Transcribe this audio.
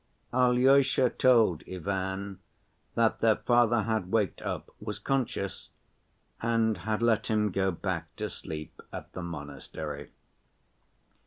Alyosha told Ivan that their father had waked up, was conscious, and had let him go back to sleep at the monastery.